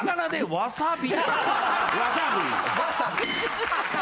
わさび。